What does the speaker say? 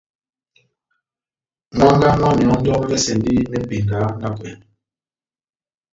Mwángá mwá mehɔndɔ m'vɛsɛndi mepenga na ekwèmi.